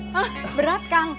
hah berat kang